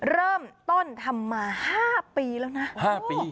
เริ่มต้นทำมา๕ปีแล้วนะ๕ปี